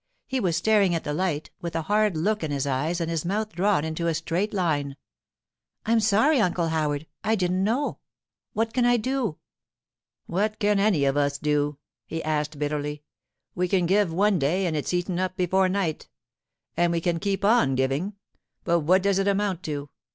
He was staring at the light, with a hard look in his eyes and his mouth drawn into a straight line. 'I'm sorry, Uncle Howard; I didn't know. What can I do?' 'What can any of us do?' he asked bitterly. 'We can give one day, and it's eaten up before night. And we can keep on giving, but what does it amount to?